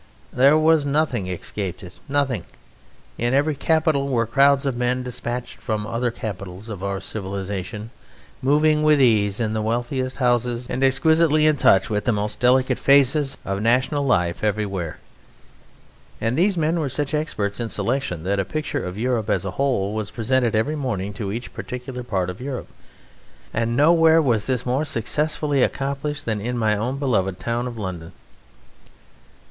There was nothing escaped it nothing. In every capital were crowds of men dispatched from the other capitals of our civilization, moving with ease in the wealthiest houses, and exquisitely in touch with the most delicate phases of national life everywhere. And these men were such experts in selection that a picture of Europe as a whole was presented every morning to each particular part of Europe; and nowhere was this more successfully accomplished than in my own beloved town of London."